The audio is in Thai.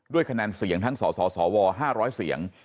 ด้วยคะแนนเสียงทั้งสอสอสอวอ๕๐๐เสียง